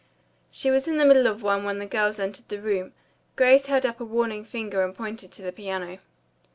She was in the middle of one when the girls entered the room. Grace held up a warning finger and pointed to the piano.